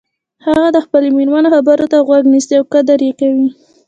هغه د خپلې مېرمنې خبرو ته غوږ نیسي او قدر یی کوي